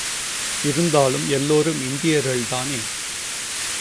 இருந்தாலும், எல்லோரும் இந்தியர்கள் தானே.